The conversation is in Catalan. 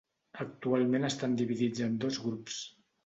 Actualment estan dividits en dos grups.